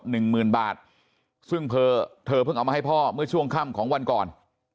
หนึ่งหมื่นบาทซึ่งเธอเธอเพิ่งเอามาให้พ่อเมื่อช่วงค่ำของวันก่อน